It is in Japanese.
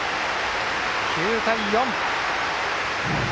９対４。